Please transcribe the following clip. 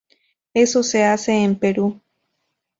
Eso se hace en Perú.